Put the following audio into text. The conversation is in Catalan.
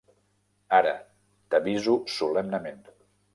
Ara, t'aviso solemnement.